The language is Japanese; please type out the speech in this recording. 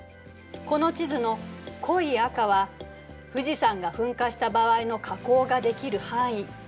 この地図の濃い赤は富士山が噴火した場合の火口が出来る範囲。